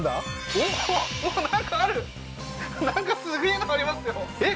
おおーなんかあるなんかすげえのありますよえっ？